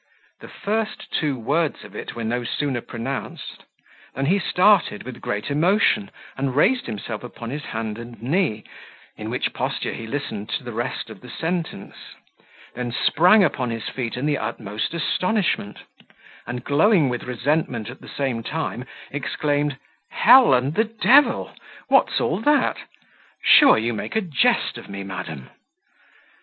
The first two words of it were no sooner pronounced, than he started, with great emotion, and raised himself upon his hand and knee, in which posture he listened to the rest of the sentence; then sprang upon his feet in the utmost astonishment, and, glowing with resentment at the same time, exclaimed, "Hell and the devil! what's all that? Sure you make a jest of me, madam!"